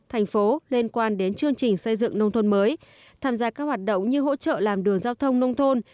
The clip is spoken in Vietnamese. thành phố liên quan đến chương trình xây dựng nông thôn mới tham gia các hoạt động như hỗ trợ làm đường giao thông nông thôn